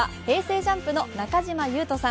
ＪＵＭＰの中島裕翔さん。